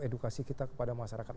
edukasi kita kepada masyarakat